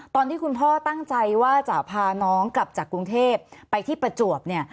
ตอนที่คุณพ่อตั้งใจว่าจะพาน้องกลับจากกรุงเทพไปที่ประจวบเนี่ย